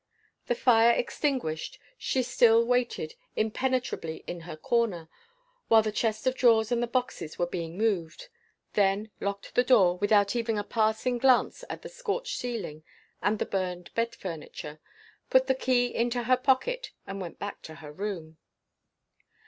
The fire extinguished, she still waited impenetrably in her corner, while the chest of drawers and the boxes were being moved then locked the door, without even a passing glance at the scorched ceiling and the burned bed furniture put the key into her pocket and went back to her room.